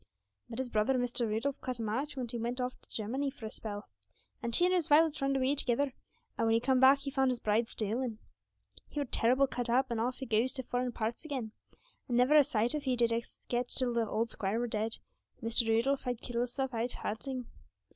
But his brother, Mr. Rudolph, cut him out, when he went off to Germany for a spell, and he and Miss Violet runned away together, and when he come back he found his bride stolen. He were terrible cut up, and off he goes to foreign parts again, and never a sight of he did us get till the old squire were dead, and Mr. Rudolph had killed hisself out hunting.